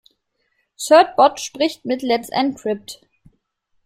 Certbot spricht mit Let's Encrypt.